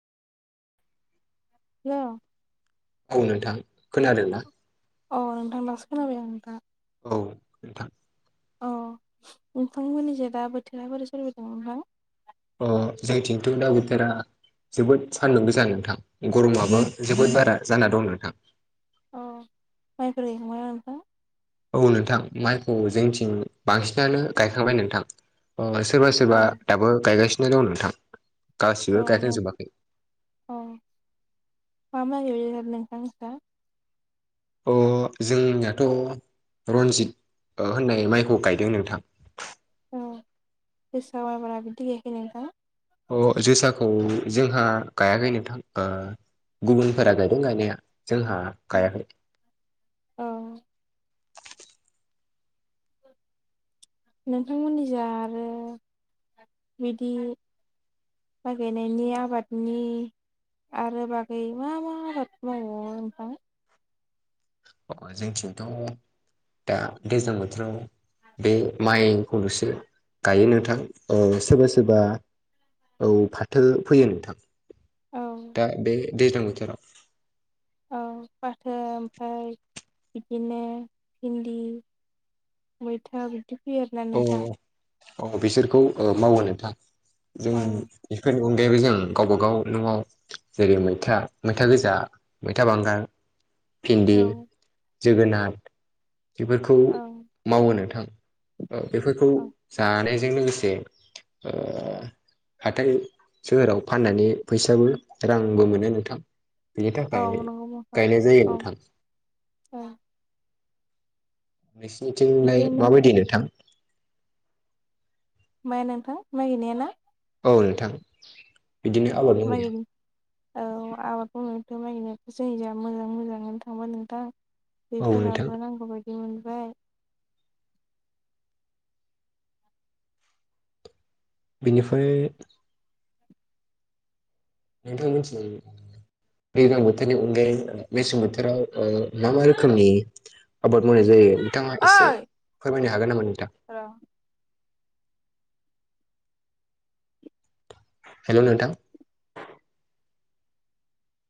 [unintelligible] औ नोंथां खोनादोंना अ नोंथां दासो खोनाबाय आं नोंथा औ नोंथां औ नोंथांमोननिजा दा बोथोरा बोरै सोलिबाय दं हा अ जोंथिंथ दा बोथारा जोबोद सान्दुं गोजान नोंथां गरमाबो जोबोद बारा जाना दं नोंथां अ माइफोर गायखांबायना नोंथां औ नोंथां माइखौ जोंथिं बांसिनानो गायखांबाय नोंथां सोरबा सोरबा औ दाबो गायगासिनो दं नोंथां गासिबो गायखांजोबाखै अ मा माय गायो नोंथां नोंस्रा अ जोंनियाथ रन्जित होननाय माइखौ गायदों नोंथां अ जोसा मायब्रा बिदि गायाखै नोंथाङा अ जोसाखौ जोंहा गायाखैनो नोंथां ओ गुबुनफोरा गायदों गायनाया जोंहा गायाखै अ नोंथांमोननिजा आरो बिदि मायगायनायनि आबादनि आरो बागै मा मा आबाद मावबावो नोंथां अ जोंथिंथ दा दैज्लां बोथोराव बे माइखौलसो गायो नोंथां ओ सोरबा सोरबा औ फाथो फैयो नोंथां औ दा बे दैज्लां बोथोराव औ फाथो ओमफ्राय बिदिनो भिन्दि मैथा बिदि फैयो आरोना नोंथां औ बिसोरखौ मावो नोंथां जों औ बेफोरनो यबो जों गावबा गाव न'आव जेरै मैथा मैथा गोजा मैथा बांगाल भिन्दि औ जोगोनार बेफोरखौ औ मावो नोंथां बेफोरखौ औ जानायजों लोगोसे हाथाय सोहोराव फाननानै फैसाबो रांबो मोनो नोंथां बिनि औ थाखाय नंगौ गायनाय जायो नोंथां अ नोंसिनिथिंलाय बिदिनो नों माबायदि नोंथां माया नोंथां माइ गायनाया ना औ नोंथां बिदिनो आबाद मावनाया माइनि औ आबादखौनोथ' नायनायखौ जों जा मोजां मोजाङानो थांबा नोंथां औ नोंथां दैफोराबो नांगौबायदि मोनबाय बिनिफ्राय नोंथां मिथि दैज्लां बोथोरनि अनगायै मेसें बोथोराव मा मा रोखोमनि आबाद मावनाय जायो नोंथाङा एसे ओइ फोरमायनो हागोन नामा नोंथां र हेल' नोंथां